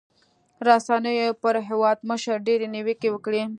رسنيو پر هېوادمشر ډېرې نیوکې وکړې.